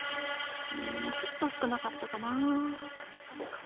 うんちょっと少なかったかな？